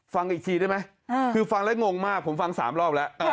ฟังอีกทีได้ไหมคือฟังแล้วงงมากผมฟัง๓รอบแล้ว